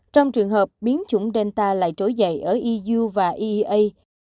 trong trường hợp biến chủng delta lại trối dậy ở eu và eea